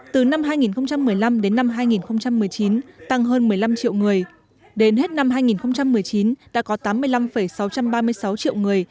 từ năm hai nghìn một mươi năm đến năm hai nghìn một mươi chín tăng hơn một mươi năm triệu người đến hết năm hai nghìn một mươi chín đã có tám mươi năm sáu trăm ba mươi sáu triệu người